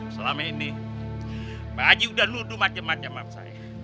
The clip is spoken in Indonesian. selama ini pak haji udah nuduh macam macam sama saya